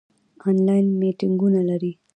آنلاین میټینګونه لرئ؟